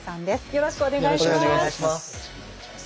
よろしくお願いします。